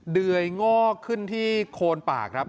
เดื่อยงอกขึ้นที่โคนปากครับ